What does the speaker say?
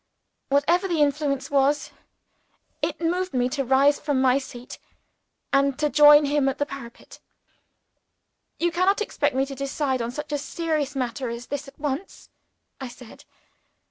Whatever the influence was, it moved me to rise from my seat, and to join him at the parapet. "You cannot expect me to decide on such a serious matter as this at once," I said.